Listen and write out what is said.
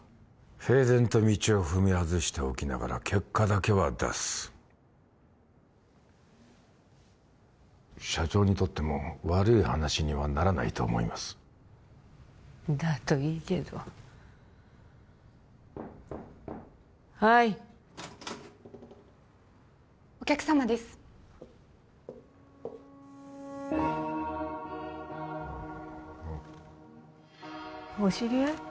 平然と道を踏み外しておきながら結果だけは出す社長にとっても悪い話にはならないと思いますだといいけどはいお客様ですお知り合い？